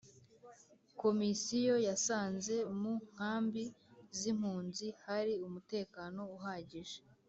Komisiyo yasanze mu nkambi z impunzi hari umutekano uhagije